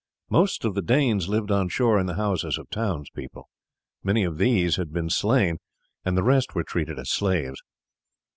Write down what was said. Most of the Danes lived on shore in the houses of the townspeople. Many of these had been slain, and the rest were treated as slaves.